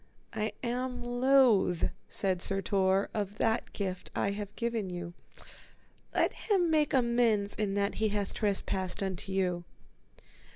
I am loath, said Sir Tor, of that gift I have given you; let him make amends in that he hath trespassed unto you.